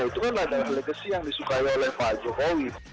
itu kan ada legacy yang disukai oleh pak jokowi